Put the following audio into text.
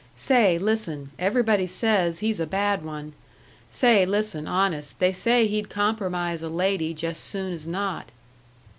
Say, listen; everybody says he's a bad one. Say, listen, honest; they say he'd compromise a lady jus' soon as not."